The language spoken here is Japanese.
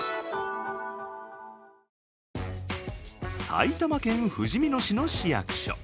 埼玉県ふじみ野市の市役所。